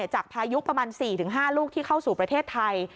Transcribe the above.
พายุประมาณ๔๕ลูกที่เข้าสู่ประเทศไทย